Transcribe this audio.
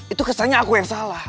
itu kesannya aku yang salah